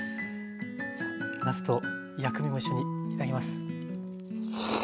じゃあなすと薬味も一緒に頂きます。